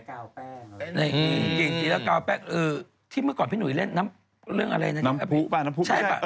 อ๋ออันนี้ข้างหลังภาพ